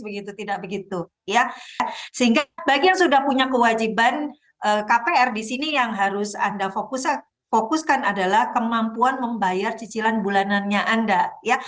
sehingga bagi yang sudah punya kewajiban kpr di sini yang harus anda fokuskan adalah kemampuan membayar cicilan bulanannya anda ya